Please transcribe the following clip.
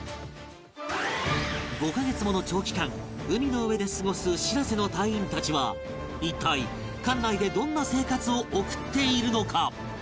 ５カ月もの長期間海の上で過ごす「しらせ」の隊員たちは一体艦内でどんな生活を送っているのか？